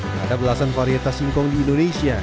tidak ada belasan varietas singkong di indonesia